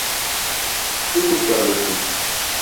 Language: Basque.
Zuk uste al duzu?